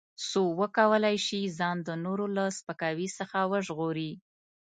څو وکولای شي ځان د نورو له سپکاوي څخه وژغوري.